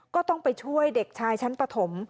ก็ต้องไปช่วยเด็กชายชั้นปฐม